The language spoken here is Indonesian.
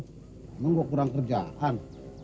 ngomong gue kurang kerjaan